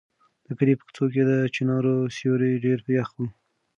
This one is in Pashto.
د کلي په کوڅو کې د چنارونو سیوري ډېر یخ وو.